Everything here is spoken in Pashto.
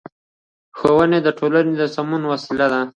ښوونه د ټولنې د سمون وسیله ده